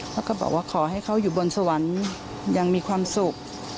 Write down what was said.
แล้วก็บอกว่าขอให้เขาอยู่บนสวรรค์ยังมีความสุข